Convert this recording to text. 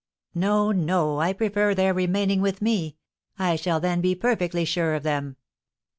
"No, no! I prefer their remaining with me. I shall then be perfectly sure of them."